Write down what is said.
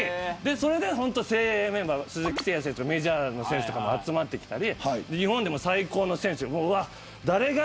それで精鋭メンバーの鈴木誠也選手とかメジャーリーガーが集まってきたり日本でも最高の選手。